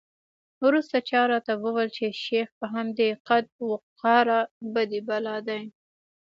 وروسته چا راته وویل چې شیخ په همدې قد وقواره بدي بلا دی.